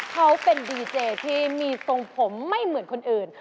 เขาเป็นดีเจที่มีทรงผมไม่เหมือนคนอื่น